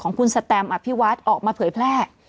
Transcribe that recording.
ของคุณสแตมอภิวัฒน์ออกมาเผยแพร่